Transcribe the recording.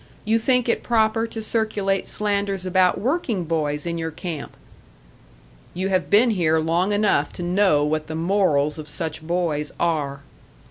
You think it proper to circulate slanders about working boys in your camp?" "You have been here long enough to know what the morals of such boys are."